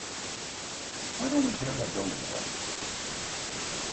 why don't we tear the building down?